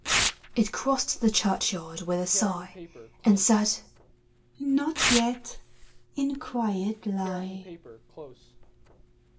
It crossed the churchyard with a sigh, And said, ''Not yet! in quiet lie."